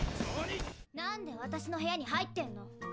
なんで私の部屋に入ってんの？